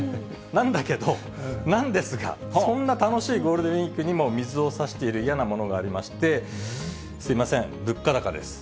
なんだけど、なんですが、そんな楽しいゴールデンウィークにも水をさしている嫌なものがありまして、すみません、物価高です。